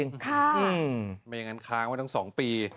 ไม่อย่างนั้นค้างไว้ทั้ง๒ปี